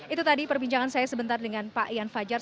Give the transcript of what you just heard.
itu tadi perbincangan saya sebentar dengan pak ian fajar